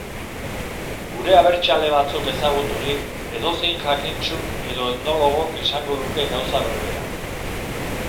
Gure abertxale batzuk ezaguturik, edozein jakintsuk edo etnologok esango luke gauza berbera.